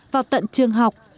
vào tận trường học